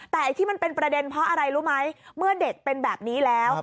แต่ไอ้ที่มันเป็นประเด็นเพราะอะไรรู้ไหมเมื่อเด็กเป็นแบบนี้แล้ว